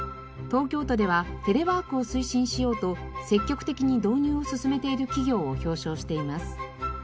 東京都ではテレワークを推進しようと積極的に導入を進めている企業を表彰しています。